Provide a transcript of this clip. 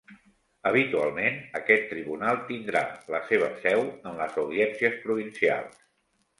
Habitualment, aquest tribunal tindrà la seva seu en les Audiències Provincials.